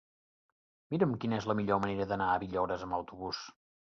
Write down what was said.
Mira'm quina és la millor manera d'anar a Villores amb autobús.